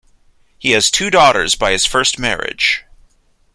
He has two daughters by his first marriage.